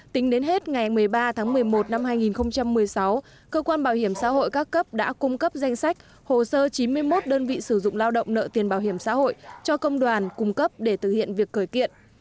tính đến hết ngày một mươi ba tháng một mươi một năm hai nghìn một mươi sáu cơ quan bảo hiểm xã hội các cấp đã cung cấp danh sách hồ sơ chín mươi một đơn vị sử dụng lao động nợ tiền bảo hiểm xã hội cho công đoàn cung cấp để thực hiện việc khởi kiện